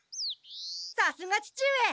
さすが父上！